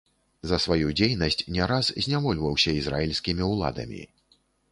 За сваю дзейнасць не раз знявольваўся ізраільскімі ўладамі.